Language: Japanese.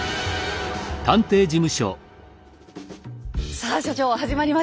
さあ所長始まりました。